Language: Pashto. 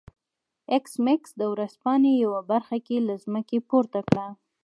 ایس میکس د ورځپاڼې یوه برخه له ځمکې پورته کړه